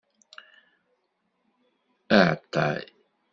Aɛeṭṭay!